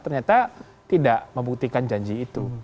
ternyata tidak membuktikan janji itu